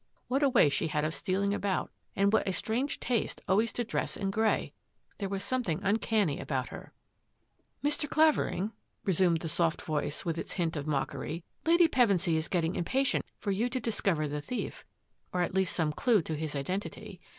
What a way she had of stealing about, and what a strange taste always to dress in grey! There was something uncanny about her. " Mr. Clavering," resumed the soft voice wit! its hint of mockery, " Lady Pevensy is getting ir patient for you to discover the thief, or at le some due to his identity.